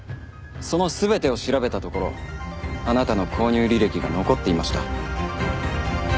その全てを調べたところあなたの購入履歴が残っていました。